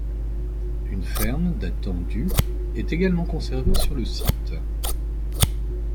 Une ferme datant du est également conservée sur le site.